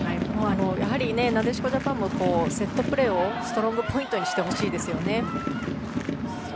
やはり、なでしこジャパンもセットプレーをストロングポイントにしてほしいですよね。